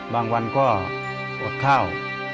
บางวันก็อดข้าว